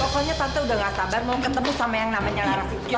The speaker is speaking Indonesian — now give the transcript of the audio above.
pokoknya tante udah gak sabar mau ketemu sama yang namanya narasi